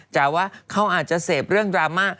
แต่ว่าเขาอาจจะเสพเรื่องดราม่า